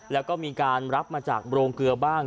แล้วก็มีการรับมาจากโรงเกลือบ้าง